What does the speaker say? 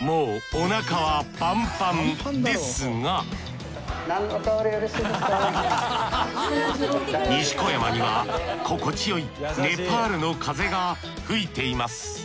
もうおなかはパンパンですが西小山には心地よいネパールの風が吹いています